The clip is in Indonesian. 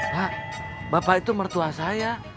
pak bapak itu mertua saya